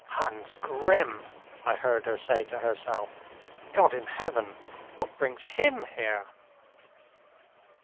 "Hans Grimm!" I heard her say to herself. "God in heaven! what brings him here?"